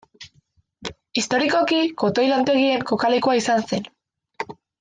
Historikoki, kotoi lantegien kokalekua izan zen.